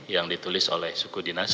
yang ditulis oleh bop